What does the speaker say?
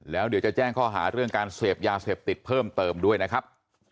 แล้วเดี๋ยวจะแจ้งข้อหาเรื่องการเสพยาเสพติดเพิ่มเติมด้วยนะครับ